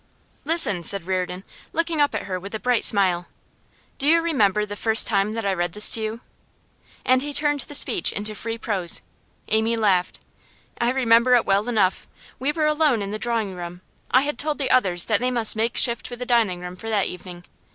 'Listen,' said Reardon, looking up at her with a bright smile. 'Do you remember the first time that I read you this?' And he turned the speech into free prose. Amy laughed. 'I remember it well enough. We were alone in the drawing room; I had told the others that they must make shift with the dining room for that evening.